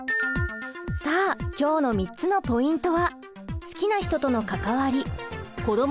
さあ今日の３つのポイントは。